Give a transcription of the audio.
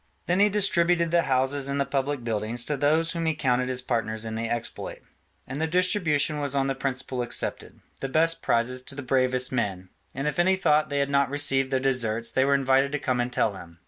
Then he distributed the houses and the public buildings to those whom he counted his partners in the exploit; and the distribution was on the principle accepted, the best prizes to the bravest men: and if any thought they had not received their deserts they were invited to come and tell him.